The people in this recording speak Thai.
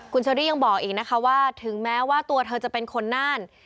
คุณเชอรี่ยังบอกอีกนะคะว่าถึงแม้ว่าตัวเธอจะเป็นคนน่าน